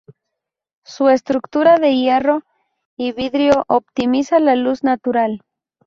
Su estructura de hierro y vidrio optimiza la luz natural.